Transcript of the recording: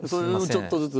ちょっとずつ。